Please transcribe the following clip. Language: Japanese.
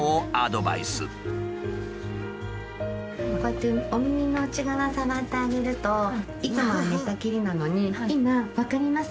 こうやってお耳の内側触ってあげるといつもは寝たきりなのに今分かります？